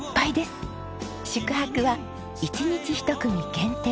宿泊は１日１組限定。